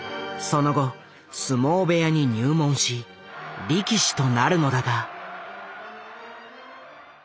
その後相撲部屋に入門し力士となるのだが。